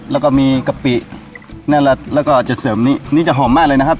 แล้วก็มีกะปินั่นแหละแล้วก็จะเสริมนี้นี่จะหอมมากเลยนะครับ